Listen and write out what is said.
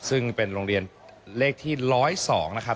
ซึ่งเป็นโรงเรียนเลขที่๑๐๒นะครับ